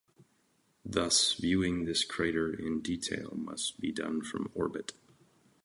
Thus viewing this crater in detail must be done from orbit.